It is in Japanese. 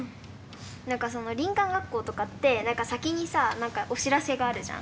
何かその林間学校とかって何か先にさあ何かお知らせがあるじゃん。